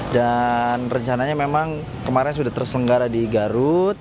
dan rencananya memang kemarin sudah terselenggara di garut